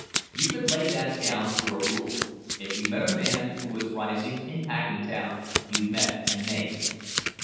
You could lay that down for a rule—if you met a man who was rising in Packingtown, you met a knave.